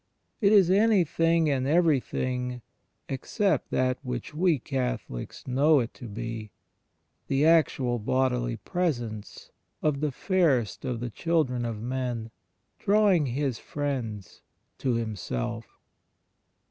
It is anything and everything except that which we Catholics know it to be — the actual bodily Presence of the Fairest of the children of men, drawing His friends to Himself!